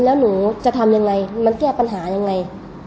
แล้วหนูจะทำยังไงมันแก้ปัญหายังไง